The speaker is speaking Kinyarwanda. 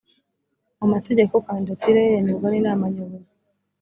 mu mategeko kandidatire ye yemerwa n inama nyobozi